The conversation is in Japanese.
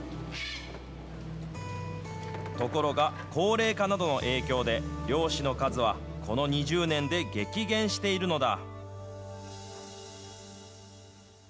ところが、高齢化などの影響で、漁師の数はこの２０年で激減しているのだ。